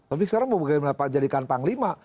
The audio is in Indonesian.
tapi sekarang mau bagaimana jadikan panglima